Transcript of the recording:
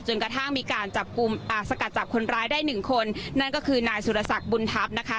กระทั่งมีการจับกลุ่มอ่าสกัดจับคนร้ายได้หนึ่งคนนั่นก็คือนายสุรสักบุญทัพนะคะ